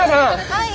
はい。